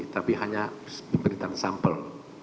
tapi hanya pemberitaan sampel